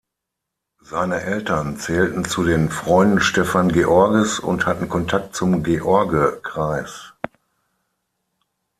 Seine Eltern zählten zu den Freunden Stefan Georges und hatten Kontakt zum George-Kreis.